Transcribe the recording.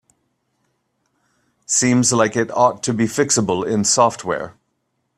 Seems like it ought to be fixable in software.